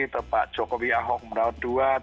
tempat jokowi ahok merawat dua